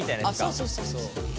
そうそうそうそう。